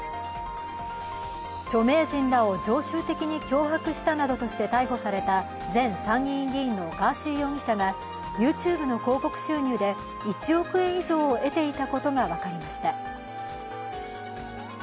著名人らを常習的に脅迫したなどとして逮捕された前参議院議員のガーシー容疑者がＹｏｕＴｕｂｅの広告収入で１億円以上を得ていたことが分かりました。